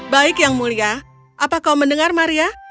baik yang mulia apa kau mendengar maria